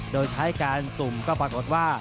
โดยใช้การสุ่มก็ปรากฏว่า